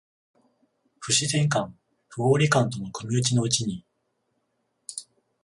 不自然感、不合理感との組打ちのうちに、